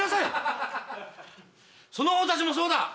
その方たちもそうだ！